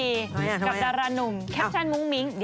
ทำไมอ่ะทำไมอ่ะคัปตราหนุ่มแคปชั่นมุ้งมิ้งเดี๋ยว